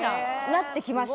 なってきました。